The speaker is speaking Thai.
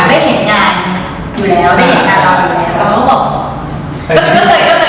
ได้เห็นงานอยู่แล้ว